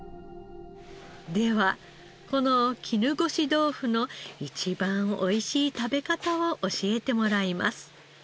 ではこの絹ごし豆腐の一番美味しい食べ方を教えてもらいます。